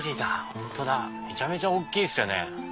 ホントだめちゃめちゃ大きいっすよね。